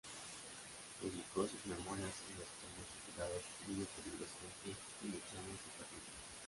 Publicó sus memorias en dos tomos titulados "Vive peligrosamente" y "Luchamos y perdimos".